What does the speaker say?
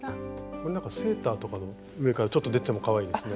これなんかセーターとかでも上からちょっと出てもかわいいですね。